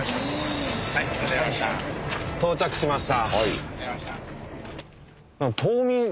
到着しました。